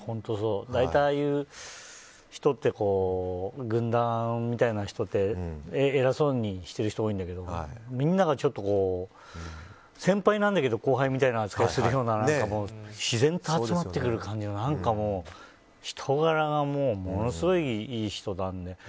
大体、ああいう人って軍団みたいな人って偉そうにしてる人多いんだけどみんなが、先輩なんだけど後輩みたいな扱いをするような自然と集まってくる感じで人柄がもうものすごいいい人なので。